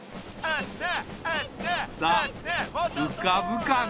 さあうかぶかな？